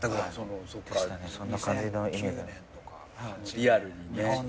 リアルにね。